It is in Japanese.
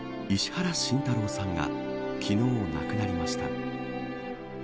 石原慎太郎さんが昨日、亡くなりました。